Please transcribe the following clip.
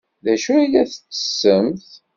D acu ay la tettessemt?